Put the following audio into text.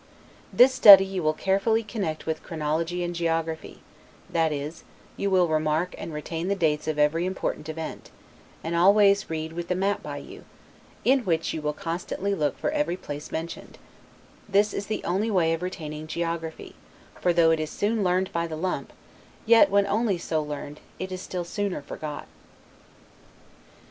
This study you will carefully connect with chronology and geography; that is, you will remark and retain the dates of every important event; and always read with the map by you, in which you will constantly look for every place mentioned: this is the only way of retaining geography; for, though it is soon learned by the lump, yet, when only so learned, it is still sooner forgot.